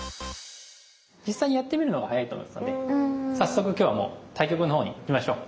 実際にやってみるのが早いと思いますので早速今日は対局のほうにいきましょう。